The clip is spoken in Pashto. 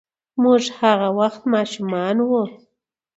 موږ هغه وخت ماشومان وو.